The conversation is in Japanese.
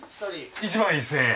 １１，０００円。